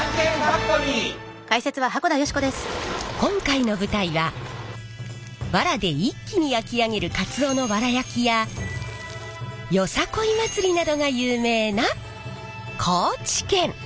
今回の舞台は藁で一気に焼き上げるカツオの藁焼きやよさこい祭りなどが有名な高知県！